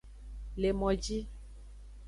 Le moji.